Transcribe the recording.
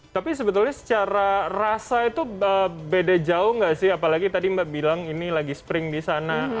tapi sebetulnya secara rasa itu beda jauh nggak sih apalagi tadi mbak bilang ini lagi spring di sana